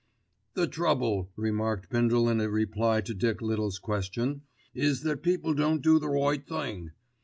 "The trouble," remarked Bindle in reply to Dick Little's question, "is that people won't do the right thing.